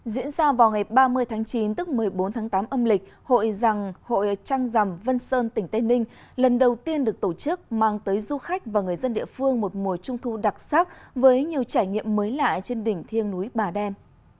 diễn ra vào ngày ba mươi tháng chín tức một mươi bốn tháng tám âm lịch hội trăng rằm vân sơn tỉnh tây ninh lần đầu tiên được tổ chức mang tới du khách và người dân địa phương một mùa trung thu đặc sắc với nhiều trải nghiệm mới lạ trên đỉnh thiêng núi bà đen